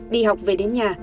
đi học về đến nhà